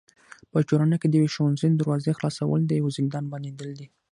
په ټولنه کي د يوي ښوونځي د دروازي خلاصول د يوه زندان بنديدل دي.